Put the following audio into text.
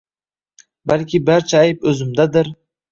Balki barcha ayb o`zimdadir